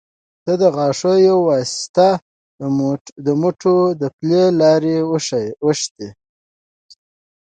ته د غاښو يه واسطه د موټو او پلې لارې اوښتي